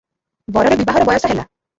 ବରର ବିବାହର ବୟସ ହେଲା ।